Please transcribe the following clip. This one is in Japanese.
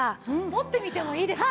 持ってみてもいいですか？